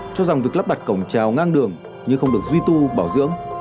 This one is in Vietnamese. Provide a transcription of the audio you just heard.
cho rằng việc lắp đặt cổng trào ngang đường nhưng không được duy tu bảo dưỡng